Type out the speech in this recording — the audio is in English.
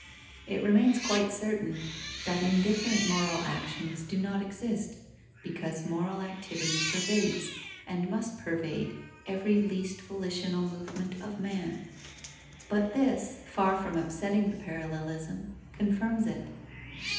It remains quite certain that indifferent moral actions do not exist, because moral activity pervades and must pervade every least volitional movement of man. But this, far from upsetting the parallelism, confirms it.